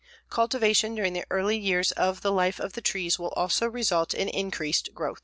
Cultivation during the early years of the life of the trees will also result in increased growth.